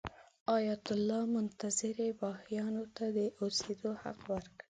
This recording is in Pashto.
ایت الله منتظري بهايانو ته د اوسېدو حق ورکړ.